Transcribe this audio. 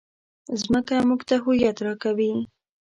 مځکه موږ ته هویت راکوي.